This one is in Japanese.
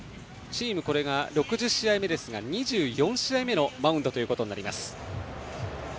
チーム６０試合目ですが２４試合目のマウンドとなります。